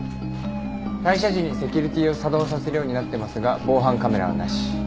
退社時にセキュリティーを作動させるようになってますが防犯カメラはなし。